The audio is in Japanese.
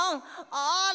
「あれ！」